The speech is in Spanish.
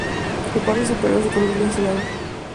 Su parte superior es de color gris azulado.